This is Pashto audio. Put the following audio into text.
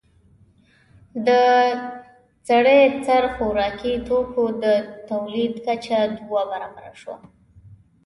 د سړي سر خوراکي توکو د تولید کچه دوه برابره شوه